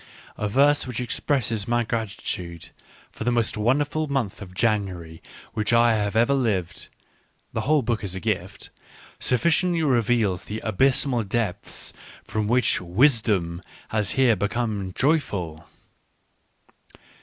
A verse which expresses my gratitude for the most wonder ful month of January which I have ever lived — the whole book is a gift — sufficiently reveals the abysmal depths from which " wisdom " has here become joyful.